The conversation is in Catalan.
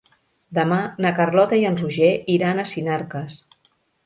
Demà na Carlota i en Roger iran a Sinarques.